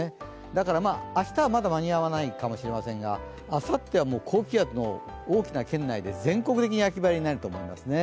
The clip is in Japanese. だから、明日はまだ間に合わないかもしれないですが、あさっては高気圧の大きな圏内で全国的に秋晴れになると思いますね。